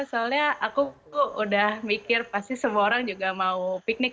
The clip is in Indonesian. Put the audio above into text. soalnya aku tuh udah mikir pasti semua orang juga mau piknik